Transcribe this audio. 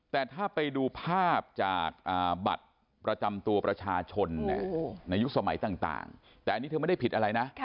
แต่ถ้าไปดูภาพจากบัตรประจำตัวประชาชนในยุคสมัยต่างแต่อันนี้เธอไม่ได้ผิดอะไรนะ